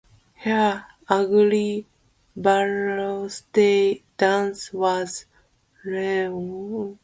Her Aung Bala style dance was renowned.